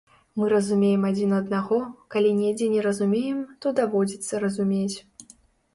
Мы разумеем адзін аднаго, калі недзе не разумеем, то даводзіцца разумець.